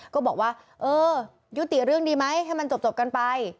ก็บอกว่าเออยุติเรื่องดีไหมให้มันจบกันไป